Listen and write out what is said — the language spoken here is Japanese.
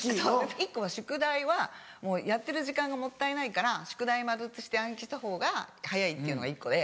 １個は宿題はやってる時間がもったいないから宿題丸写しして暗記したほうが早いっていうのが１個で。